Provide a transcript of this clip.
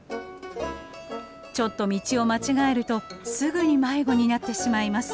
ちょっと道を間違えるとすぐに迷子になってしまいます。